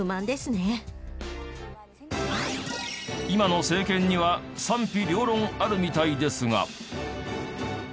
今の政権には賛否両論あるみたいですが。